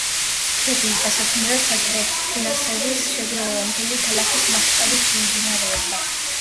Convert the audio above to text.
ძეგლის დასადგმელად საჭირო ფინანსების შეგროვება მთელი ქალაქის მასშტაბით მიმდინარეობდა.